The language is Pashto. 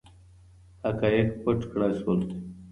حقایق پټ کړای سول.